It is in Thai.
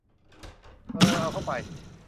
เออ เอาเข้าไป